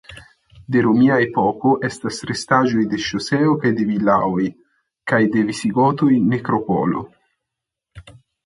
De romia epoko estas restaĵoj de ŝoseo kaj de vilaoj; kaj de visigotoj nekropolo.